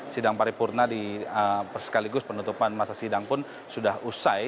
sidang paripurna sekaligus penutupan masa sidang pun sudah usai